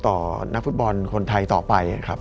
นักฟุตบอลคนไทยต่อไปครับ